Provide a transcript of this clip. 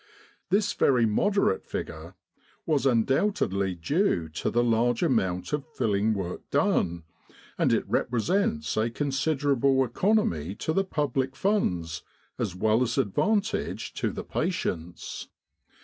This very moderate figure was undoubtedly due to the large amount of filling work done, and it represents a considerable economy to the public funds as well as advantage to the patients.